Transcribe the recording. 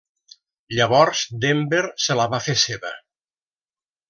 Llavors Denver se la va fer seva.